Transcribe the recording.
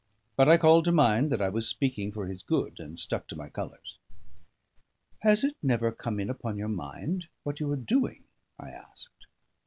But I called to mind that I was speaking for his good, and stuck to my colours. "Has it never come in upon your mind what you are doing?" I asked.